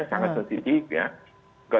sangat sensitif ya